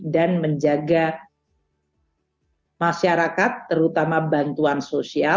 dan menjaga masyarakat terutama bantuan sosial